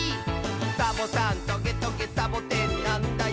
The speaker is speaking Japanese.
「サボさんトゲトゲサボテンなんだよ」